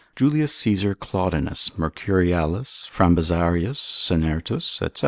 Jul. Caesar Claudinus, Mercurialis, Frambesarius, Sennertus, &c.